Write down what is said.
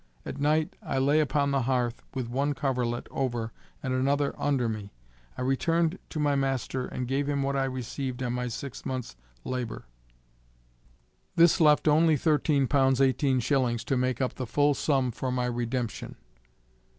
At night I lay upon the hearth, with one coverlet over and another under me. I returned to my master and gave him what I received on my six months labor. This left only thirteen pounds eighteen shillings to make up the full sum for my redemption.